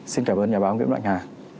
xin cảm ơn nhà báo nguyễn lạnh hà